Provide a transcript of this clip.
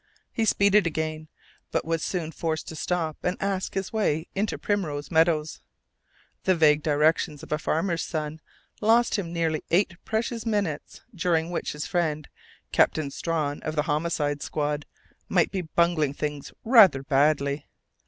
He speeded again, but was soon forced to stop and ask his way into Primrose Meadows. The vague directions of a farmer's son lost him nearly eight precious minutes, during which his friend, Captain Strawn of the Homicide Squad, might be bungling things rather badly.